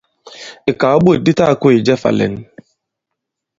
Ìkàw di bôt di ta-gā-kôs jɛ fā-lɛ̌n.